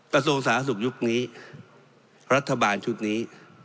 ประสงค์สนาสุขยุคนี้รัฐบาลชุดนี้